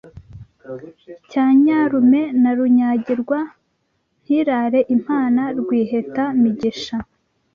Cya Nyarume na Runyagirwa Ntirare impana Rwiheta-migisha